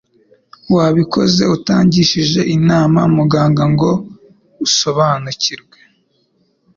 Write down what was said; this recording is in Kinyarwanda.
wabikoze utagishije inama muganga ngo usonabanukirwe